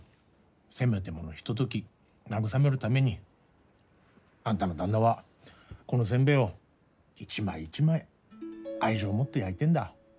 せめてもの、ひととき慰めるために、あんたの旦那はこのせんべいを一枚一枚愛情もって焼いてんだ。